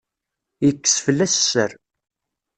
Yekkes fell-as sser.